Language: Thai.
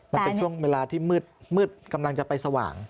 มันเป็นช่วงเวลาที่มืดกำลังจะไปสว่าง